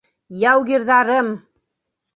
— Яугирҙарым!